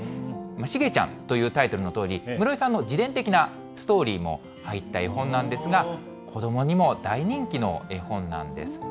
しげちゃんというタイトルのとおり、室井さんの自伝的なストーリーも入った絵本なんですが、子どもにも大人気の絵本なんです。